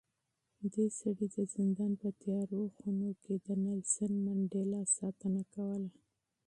دې سړي د زندان په تیارو خونو کې د منډېلا ساتنه کوله.